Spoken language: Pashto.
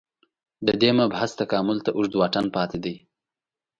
دې مبحث تکامل ته اوږد واټن پاتې دی